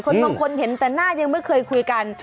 บางคนเห็นแต่หน้ายังไม่เคยคุยกัน